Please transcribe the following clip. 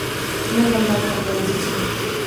نظم باید په ښوونځي کې وي.